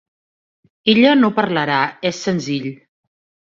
Ella no parlarà, és senzill.